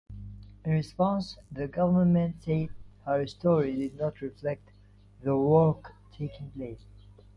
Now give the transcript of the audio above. In response the government said her story did not reflect the work taking place.